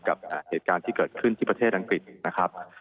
กับเหตุการณ์ที่เกิดขึ้นที่ประเทศอังกฤษนะครับ